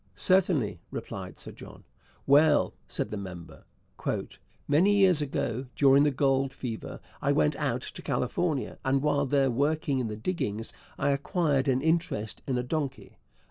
'Certainly,' replied Sir John. 'Well,' said the member, 'many years ago, during the gold fever, I went out to California, and while there working in the diggings I acquired an interest in a donkey.